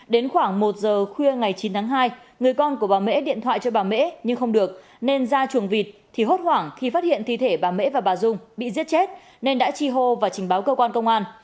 đến khoảng một giờ khuya ngày chín tháng hai người con của bà mễ điện thoại cho bà mễ nhưng không được nên ra chuồng vịt thì hốt hoảng khi phát hiện thi thể bà mễ và bà dung bị giết chết nên đã chi hô và trình báo cơ quan công an